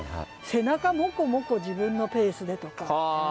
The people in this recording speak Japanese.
「背中もこもこ自分のペースで」とか。